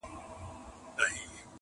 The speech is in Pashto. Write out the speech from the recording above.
چی هر څوک به په سزا هلته رسېږي-